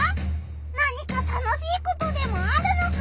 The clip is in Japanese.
何か楽しいことでもあるのか？